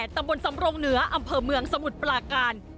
ตำบลสำรงเหนืออำเภอเมืองสมุทรปลาการ